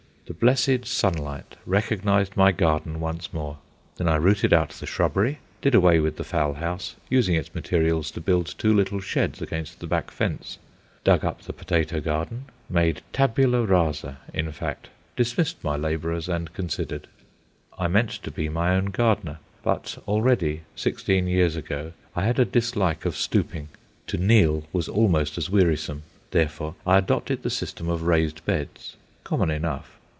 The blessed sunlight recognized my garden once more. Then I rooted out the shrubbery; did away with the fowl house, using its materials to build two little sheds against the back fence; dug up the potato garden made tabula rasa, in fact; dismissed my labourers, and considered. I meant to be my own gardener. But already, sixteen years ago, I had a dislike of stooping. To kneel was almost as wearisome. Therefore I adopted the system of raised beds common enough.